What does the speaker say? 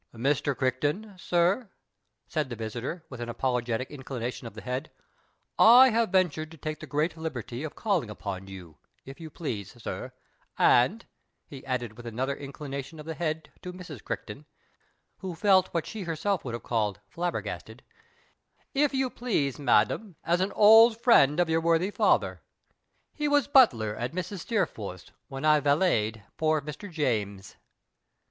'■ Mr. Crichton, sir," said the visitor, with an apologetic inclination of the head, " I have ventured to take the great liberty of calling upon you, if you please, sir, and," he added with another inclination of the head to Mrs. Crichton (who felt what she would herself have called flabbergasted), " if you please, ma'am, as an old friend of your worthy father. He was butler at Mrs. Steerforth's when I valeted poor Mr. James."